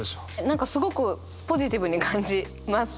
何かすごくポジティブに感じます。